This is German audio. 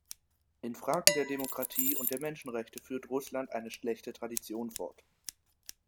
In Fragen der Demokratie und der Menschenrechte führt Russland eine schlechte Tradition fort.